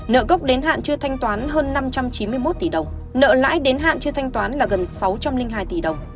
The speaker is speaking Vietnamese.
nợ gốc đến hạn chưa thanh toán hơn năm trăm chín mươi một tỷ đồng nợ lãi đến hạn chưa thanh toán là gần sáu trăm linh hai tỷ đồng